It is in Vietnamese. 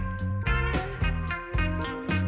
nhiệt độ cao nhất